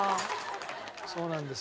そうなんですよ。